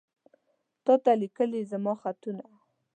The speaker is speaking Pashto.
تاته ليکلي زما خطونه